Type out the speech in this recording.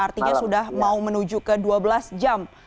artinya sudah mau menuju ke dua belas jam